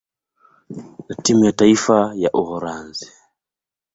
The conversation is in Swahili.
na timu ya taifa ya Uholanzi.